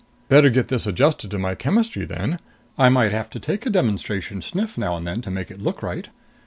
"Better get this adjusted to my chemistry then. I might have to take a demonstration sniff now and then to make it look right."